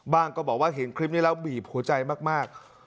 ก็บอกว่าเห็นคลิปนี้แล้วบีบหัวใจมาก